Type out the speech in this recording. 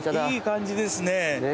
いい感じですね。